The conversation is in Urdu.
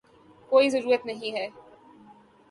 کوئی ضرورت نہیں ہے